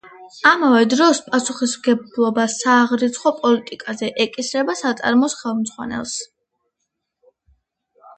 ამავე დროს პასუხისმგებლობა სააღრიცხვო პოლიტიკაზე ეკისრება საწარმოს ხელმძღვანელს.